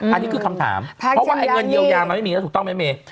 อันนี้คือคำถามเพราะว่าไอ้เงินเยียวยามันไม่มีแล้วถูกต้องไหมเมย์